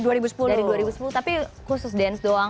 dari dua ribu sepuluh tapi khusus dance doang